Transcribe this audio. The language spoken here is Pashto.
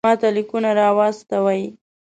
ماته لیکونه را واستوئ.